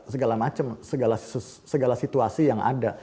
segala macam segala situasi yang ada